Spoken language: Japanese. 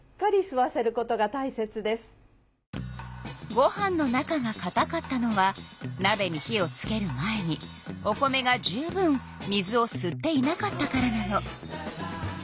ご飯の中がかたかったのはなべに火をつける前にお米が十分水をすっていなかったからなの。